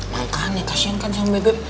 makanya kasian kan sama bebek